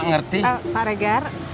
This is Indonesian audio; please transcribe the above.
maaf pak regar